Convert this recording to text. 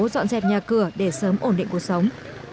dọn dẹp nhà cửa để sớm ổn định cuộc sống